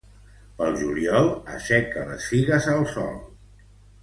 Pel juliol asseca les figues al sol.